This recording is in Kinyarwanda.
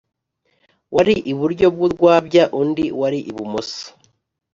Wari iburyo bw urwabya undi wari ibumoso